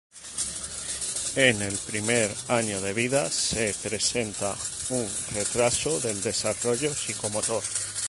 En el primer año de vida se presenta un retraso del desarrollo psicomotor.